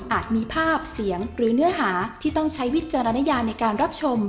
มีภาพเสียงหรือเนื้อหาที่ต้องใช้วิจารณญาในการรับชม